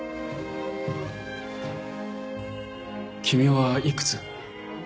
君はいくつ？